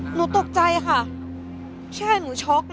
หนูตกใจค่ะใช่หนูช็อกนะ